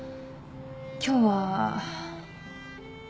今日は。